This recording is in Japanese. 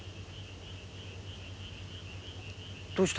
どうした？